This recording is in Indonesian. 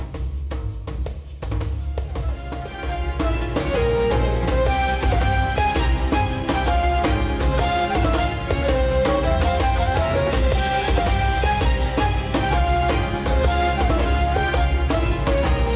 waalaikumsalam warahmatullahi wabarakatuh